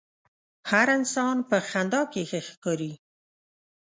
هر انسان په خندا کښې ښه ښکاري.